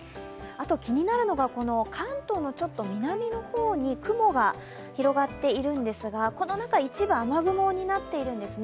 気になるのが関東の南の方に雲が広がっているんですが、この中、一部、雨雲になっているんですね。